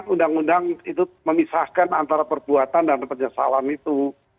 orang orang itu memisahkan antara perbuatan dan penyesalan itu